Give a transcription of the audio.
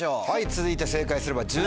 続いて正解すれば。